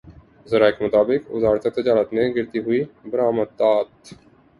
ذرائع کے مطابق وزارت تجارت نے گرتی ہوئی برآمدات